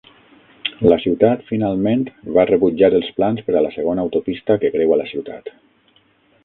La ciutat finalment va rebutjar els plans per a la segona autopista que creua la ciutat.